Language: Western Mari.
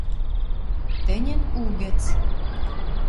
тӹньӹн угӹц